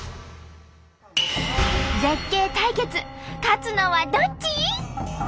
絶景対決勝つのはどっち！？